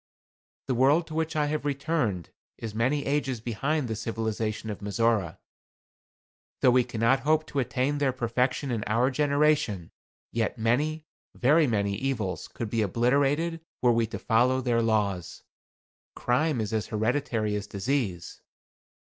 The world to which I have returned is many ages behind the civilization of Mizora. Though we cannot hope to attain their perfection in our generation, yet many, very many, evils could be obliterated were we to follow their laws. Crime is as hereditary as disease.